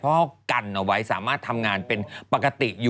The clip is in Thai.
เพราะไหนเพราะกันเอาไว้สามารถทำงานเป็นปกติ